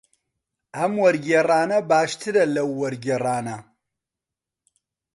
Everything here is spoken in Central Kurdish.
ئەم وەرگێڕانە باشترە لەو وەرگێڕانە.